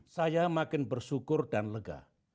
saya makin bersyukur dan lega